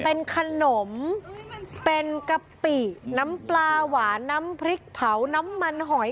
เป็นขนมเป็นกะปิน้ำปลาหวานน้ำพริกเผาน้ำมันหอย